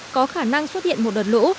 có khả năng xuất hiện một đợt lũ